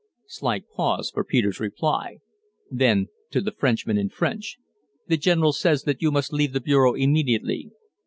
Slight pause for Peter's reply. Then to the Frenchman in French: "The General says that you must leave the bureau immediately."